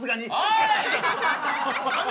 おい！